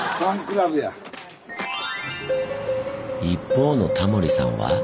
一方のタモリさんは。